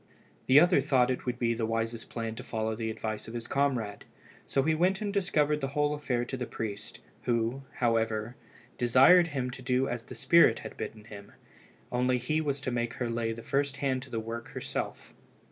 The other thought it would be the wisest plan to follow the advice of his comrade, so he went and discovered the whole affair to the priest, who, however, desired him to do as the spirit had bidden him, only he was to make her lay the first hand to the work herself.